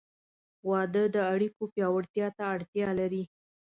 • واده د اړیکو پیاوړتیا ته اړتیا لري.